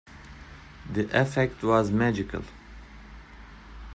The effect was magical.